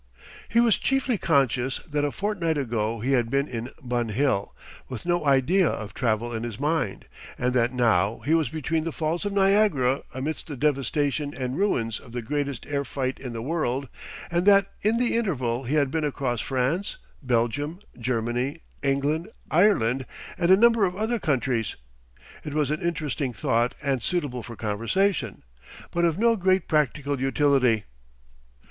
He was chiefly conscious that a fortnight ago he had been in Bun Hill with no idea of travel in his mind, and that now he was between the Falls of Niagara amidst the devastation and ruins of the greatest air fight in the world, and that in the interval he had been across France, Belgium, Germany, England, Ireland, and a number of other countries. It was an interesting thought and suitable for conversation, but of no great practical utility.